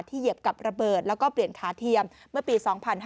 เหยียบกับระเบิดแล้วก็เปลี่ยนขาเทียมเมื่อปี๒๕๕๙